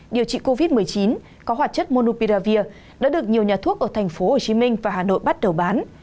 điều trị covid một mươi chín có hoạt chất monopiravir đã được nhiều nhà thuốc ở thành phố hồ chí minh và hà nội bắt đầu bán